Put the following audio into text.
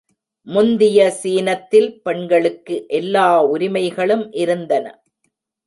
முந்திய சீனத்தில் பெண்களுக்கு எல்லா உரிமைகளும் இருந்தன.